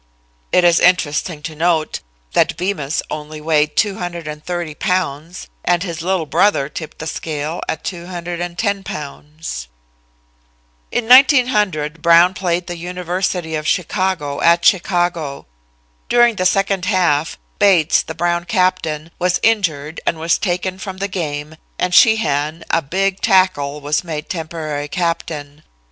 It is interesting to note that Bemus only weighed 230 pounds and his little brother tipped the scale at 210 pounds. In 1900 Brown played the University of Chicago, at Chicago. During the second half, Bates, the Brown captain, was injured and was taken from the game, and Sheehan, a big tackle, was made temporary captain.